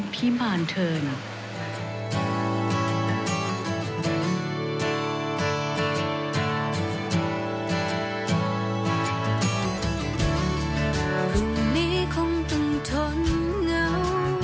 พรุ่งนี้ครึ่งต้องทนเหงา